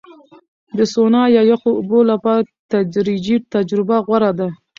د سونا یا یخو اوبو لپاره تدریجي تجربه غوره ده.